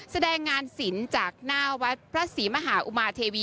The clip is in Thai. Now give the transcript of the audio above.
แสดงงานศิลป์จากหน้าวัดพระศรีมหาอุมาเทวี